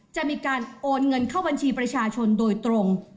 จะมีการโอนเงินเข้าบัญชีประชาชนโดยตรง